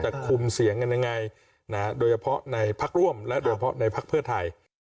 คุมเสียงกันยังไงโดยเฉพาะในพักร่วมและโดยเฉพาะในพักเพื่อไทย